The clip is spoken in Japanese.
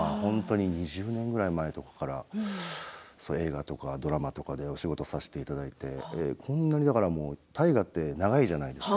２０年前ぐらいから映画とかドラマとかでお仕事をさせていただいて大河は長いじゃないですか。